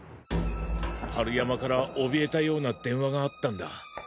春山からおびえたような電話があったんだ。